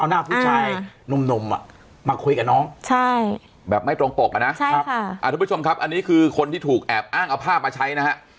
เอาหน้าผู้ชายหนุ่มมาคุยกับน้องแบบไม่ตรงปกอะนะทุกผู้ชมครับอันนี้คือคนที่ถูกแอบอ้างเอาภาพมาใช้นะฮะ